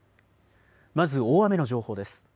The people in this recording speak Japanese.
まず大雨の情報です。